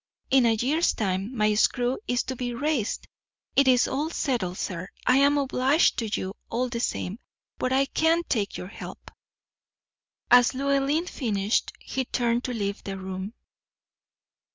In a year's time my screw is to be raised. It is all settled, sir. I am obliged to you all the same, but I can't take your help." As Llewellyn finished he turned to leave the room.